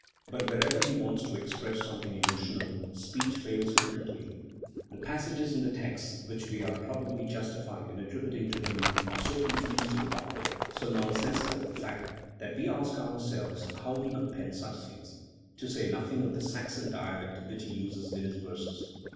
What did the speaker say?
But wherever he wants to express something emotional, speech fails him completely. The passages in the texts which we are pro bably justified in attributing to him are so confused and awkward, so nonsensical, in fact, that we ask ourselves how he could pen such things, to say nothing of the Saxon dialect which he uses in his verses.